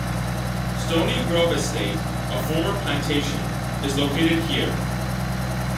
Stoney Grove Estate, a former plantation, is located here.